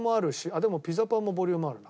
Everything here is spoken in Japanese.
でもピザパンもボリュームあるな。